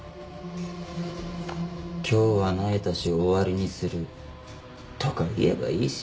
「今日はなえたし終わりにする」とか言えばいいし。